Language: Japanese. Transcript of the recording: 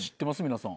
皆さん。